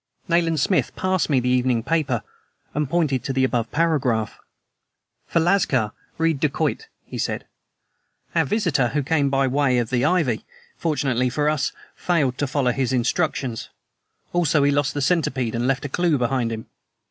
Nayland Smith passed me the evening paper and pointed to the above paragraph. "For 'lascar' read 'dacoit,'" he said. "Our visitor, who came by way of the ivy, fortunately for us, failed to follow his instructions. Also, he lost the centipede and left a clew behind him.